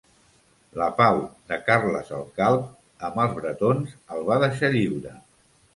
La pau de Carles el Calb amb els bretons el va deixar lliure.